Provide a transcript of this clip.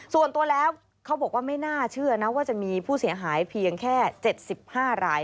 ส่วนตัวแล้วเขาบอกว่าไม่น่าเชื่อนะว่าจะมีผู้เสียหายเพียงแค่๗๕ราย